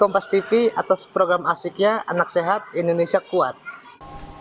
penyelenggara mengatakan program ini banyak melibatkan elemen masyarakat dan dalam acara ini